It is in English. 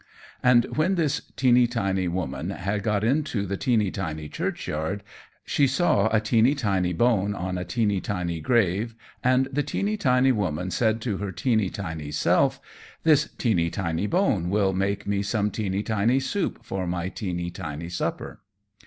And when this teeny tiny woman had got into the teeny tiny churchyard she saw a teeny tiny bone on a teeny tiny grave, and the teeny tiny woman said to her teeny tiny self, "This teeny tiny bone will make me some teeny tiny soup for my teeny tiny supper."